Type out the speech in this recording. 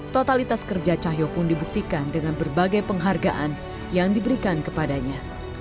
totalitas kerja cahyo pun dibuktikan dengan berbagai penghargaan yang diberikan kepadanya